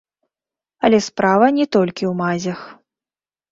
Але справа не толькі ў мазях.